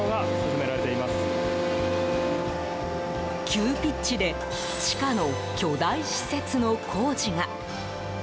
急ピッチで地下の巨大施設の工事が。